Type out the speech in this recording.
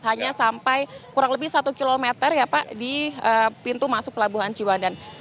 hanya sampai kurang lebih satu kilometer ya pak di pintu masuk pelabuhan ciwandan